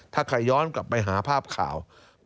ถ้าใครย้อนกลับไปหาภาพข่าว